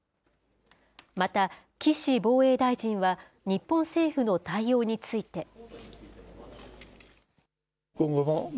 また、岸防衛大臣は、日本政府の対応について。